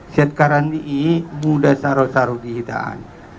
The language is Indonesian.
setkaran ini mudah saru saru dihitaan